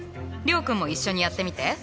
諒君も一緒にやってみて。